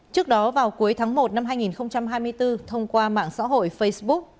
trước đó vào cuối tháng một năm hai nghìn hai mươi bốn thông qua mạng xã hội facebook